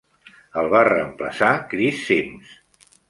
El va reemplaçar Chris Sims.